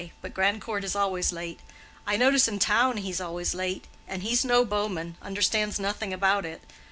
But Grandcourt is always late. I notice in town he's always late, and he's no bowman—understands nothing about it.